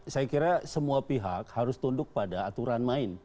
saya kira semua pihak harus tunduk pada aturan main